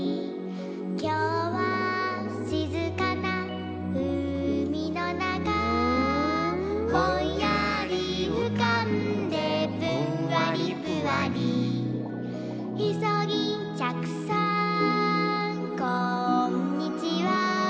「きょうはしずかなうみのなか」「ぼんやりうかんでぷんわりぷわり」「いそぎんちゃくさんこんにちは！」